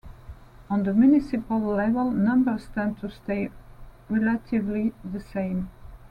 On the municipal level numbers tend to stay relatively the same.